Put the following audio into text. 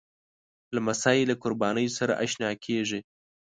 لمسی له قربانۍ سره اشنا کېږي.